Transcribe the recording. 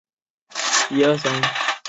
他曾担任瓦赫宁根市议会的成员代表。